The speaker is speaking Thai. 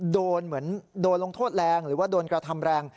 โดนเหมือนโดนลงโทษแรงหรือว่าโดนกระทำแรง